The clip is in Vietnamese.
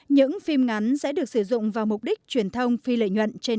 những phim ngắn sẽ được sử dụng vào mục đích truyền thông phi lợi nhuận